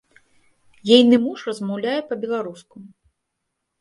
Ейны муж размаўляе па-беларуску.